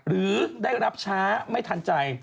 หรือได้รับช้าไม่ทันใจ